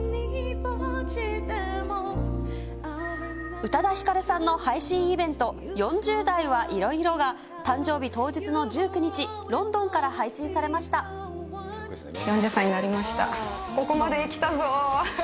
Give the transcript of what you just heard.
宇多田ヒカルさんの配信イベント、４０代はいろいろが、誕生日当日の１９日、ロンドンから配信され４０歳になりました。